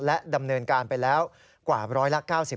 และดำเนินการไปแล้วกว่าร้อยละ๙๐